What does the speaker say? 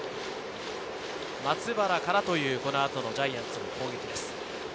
松原からというこの後のジャイアンツの攻撃です。